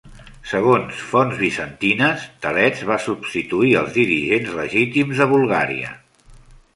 Segons fonts bizantines, Telets va substituir els dirigents legítims de Bulgària.